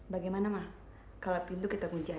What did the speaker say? bagaimana ma kalau pintu kita kunci saja